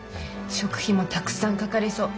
食費もたくさんかかりそう。